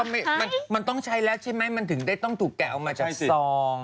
มันต้องใช้แล้วใช่ไหมมันถึงได้ต้องถูกแกะออกมาจากซอง